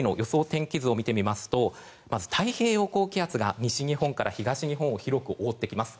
天気図を見てみますとまず太平洋高気圧が西日本から東日本を広く覆ってきます。